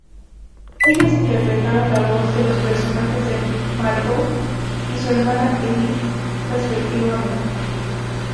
Ellas interpretaron la voz de los personajes de Margo y su hermana, Edith, respectivamente.